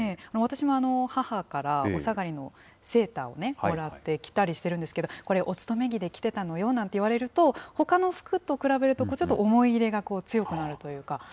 私も母からお下がりのセーターをもらって着たりしてるんですけど、これ、お勤め着で着てたのよなんて言われると、ほかの服と比べると、ちょっと思い入れが強くなるというか。